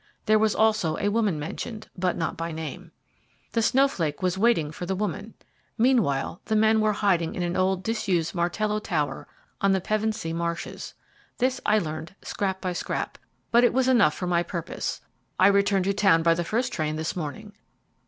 There was also a woman mentioned, but not by name. The Snowflake was waiting for the woman. Meanwhile, the men were hiding in an old disused Martello tower on the Pevensey Marshes. This I learned scrap by scrap, but it was enough for my purpose. I returned to town by the first train this morning.